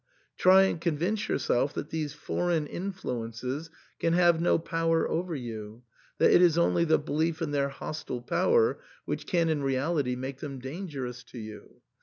Try and convince yourself that these foreign influences can have no power over you, that it is only the belief in their hostile power which can in reality make them dangerous to you.